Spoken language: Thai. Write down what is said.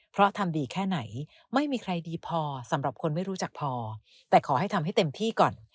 เพราะทำดีแค่ไหนไม่มีใครดีพอสำหรับคนไม่รู้จักพอแต่ขอให้ทำให้เต็มที่ก่อน